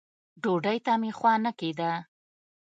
ډوډۍ ته مې خوا نه کېده.